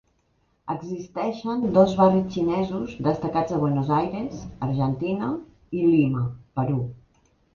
Existeixen dos barris xinesos destacats a Buenos Aires, Argentina i Lima, Perú.